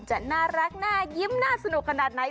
จะน่ารักน่ายิ้มน่าสนุกขนาดไหน